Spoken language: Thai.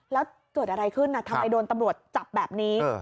แล้วเกิดอะไรขึ้นทำไมโดนตำรวจจับแบบนี้